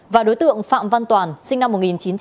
và đối tượng phạm văn toàn sinh năm một nghìn chín trăm tám mươi